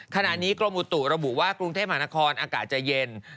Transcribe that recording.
ขณะนี้กรมอุตุระบุว่ากรุงเทพมหานครอากาศจะเย็น